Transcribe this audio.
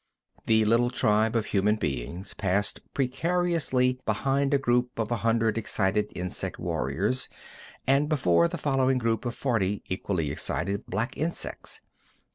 The little tribe of human beings passed precariously behind a group of a hundred excited insect warriors, and before the following group of forty equally excited black insects.